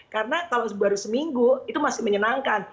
karena kalau baru seminggu itu masih menyenangkan